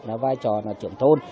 là vai trò là trưởng thôn